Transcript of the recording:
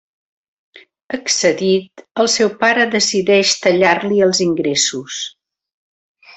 Excedit, el seu pare decideix tallar-li els ingressos.